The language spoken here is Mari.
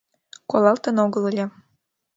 Колалтын огыл ыле.